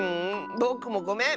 ぼくもごめん！